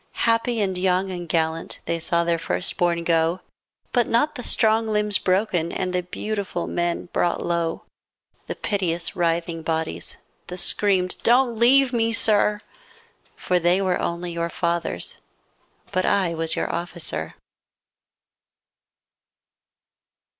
Happy and young and gallant, They saw their first bom go, 41 But not the strong limbs broken And the beautiful men brought low, The piteous writhing bodies, The screamed, " Don't leave me, Sir," For they were only your fathers But I was your officer.